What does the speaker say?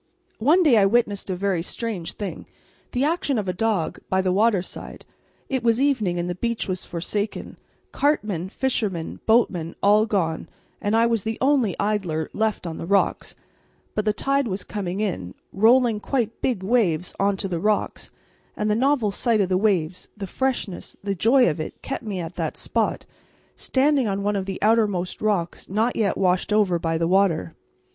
One day I witnessed a very strange thing, the action of a dog, by the waterside. It was evening and the beach was forsaken; cartmen, fishermen, boatmen all gone, and I was the only idler left on the rocks; but the tide was coming in, rolling quite big waves on to the rocks, and the novel sight of the waves, the freshness, the joy of it, kept me at that spot, standing on one of the outermost rocks not yet washed over by the water.